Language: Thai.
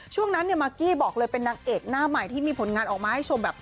ช่วงนั้นเนี่ยมากกี้บอกเลยเป็นนางเอกหน้าใหม่ที่มีผลงานออกมาให้ชมแบบ